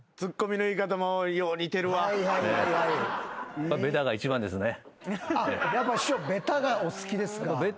やっぱ師匠べたがお好きですか。